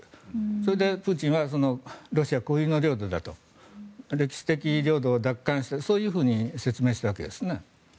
それで、プーチンはロシア固有の領土だと歴史的領土を奪還したとそういうふうに説明したわけです。